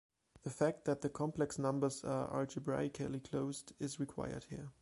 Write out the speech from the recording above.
The fact that the complex numbers are algebraically closed is required here.